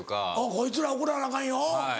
こいつら怒らなアカンよ。